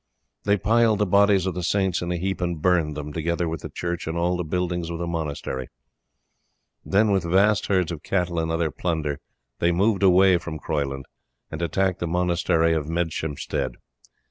They piled the bodies of the saints in a heap, and burned them, together with the church and all the buildings of the monastery; then, with vast herds of cattle and other plunder, they moved away from Croyland, and attacked the monastery of Medeshamsted.